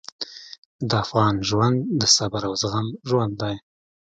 د افغان ژوند د صبر او زغم ژوند دی.